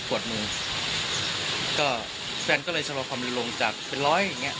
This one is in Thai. วดมือก็แฟนก็เลยชะลอความรุนแรงลงจากเป็นร้อยอย่างเงี้